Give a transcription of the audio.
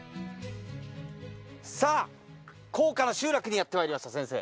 さあ甲賀の集落にやってまいりました先生。